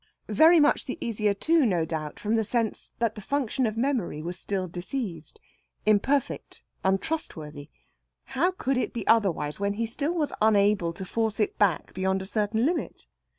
Very much the easier, too, no doubt, from the sense that the function of memory was still diseased, imperfect, untrustworthy. How could it be otherwise when he still was unable to force it back beyond a certain limit?